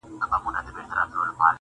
په منځ کي مېلمنه سوه د زمان د توپانونو -